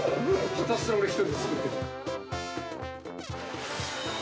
ひたすら俺一人で作ってる。